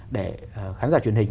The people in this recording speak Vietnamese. để khán giả truyền hình